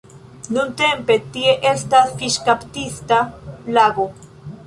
Nuntempe tie estas fiŝkaptista lago.